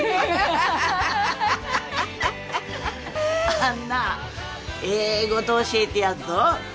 あんなええこと教えてやっぞ。